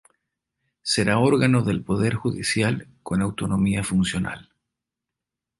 Será órgano del Poder Judicial, con autonomía funcional.